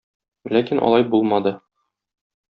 Ләкин алай булмады.